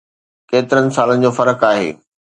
ڪيترن سالن جو فرق آهي.